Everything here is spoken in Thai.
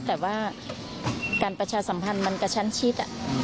แต่ว่าการประชาสัมพันธ์มันกระชั้นชิด